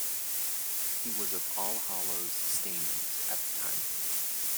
He was of Allhallows, Stainings, at that time.